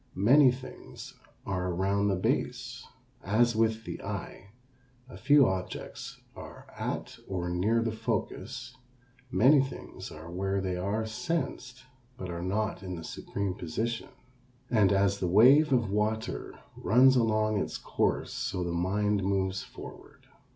Many things are around the base. As with the eye a few objects are at or near the focus, many things are where they are sensed but are not in the supreme position. And as the wave of water runs along its course so the mind moves forward.